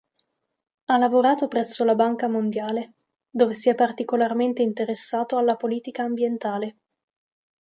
Ha lavorato presso la Banca Mondiale, dove si è particolarmente interessato alla politica ambientale.